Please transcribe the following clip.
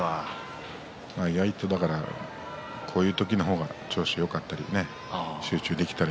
意外とこういう時の方が調子がよかったり集中できたり。